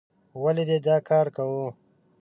ولې دې دا کار کوو؟